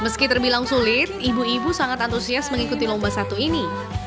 meski terbilang sulit ibu ibu sangat antusias mengikuti lomba satu ini